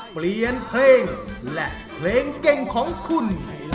เปลี่ยนเพลงและเพลงเก่งของคุณ